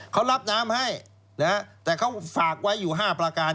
เขารับน้ำให้แต่เขาฝากไว้อยู่๕ประการ